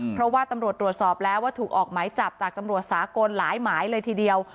เพราะว่าตำรวจตรวจสอบแล้วว่าถูกออกหมายจับจากตำรวจสากลหลายหมายเลยทีเดียว